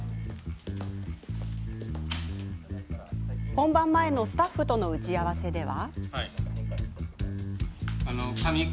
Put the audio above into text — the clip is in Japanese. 本番前のスタッフとの打ち合わせでは。